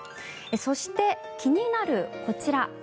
そして、気になるこちら。